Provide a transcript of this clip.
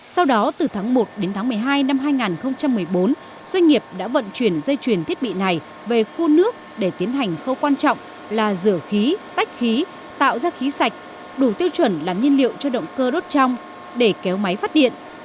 sau đó từ tháng một đến tháng một mươi hai năm hai nghìn một mươi bốn doanh nghiệp đã vận chuyển dây chuyền thiết bị này về khuôn nước để tiến hành khâu quan trọng là rửa khí tách khí tạo ra khí sạch đủ tiêu chuẩn làm nhiên liệu cho động cơ đốt trong để kéo máy phát điện